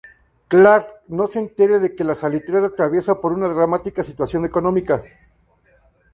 Clark no se entere de que la salitrera atraviesa por una dramática situación económica.